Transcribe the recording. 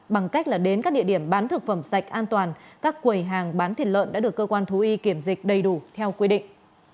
bằng cách đến các địa điểm bán thực phẩm sạch an toàn các quầy hàng bán thịt lợn đã được cơ quan thú y kiểm dịch đầy đủ theo quy định